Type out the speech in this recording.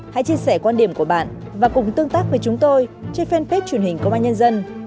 hãy chia sẻ quan điểm của bạn và cùng tương tác với chúng tôi trên fanpage truyền hình công an nhân dân